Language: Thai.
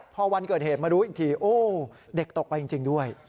พอวันเกิดเหตุมารู้อีกทีโอ้เด็กตกไปจริงด้วย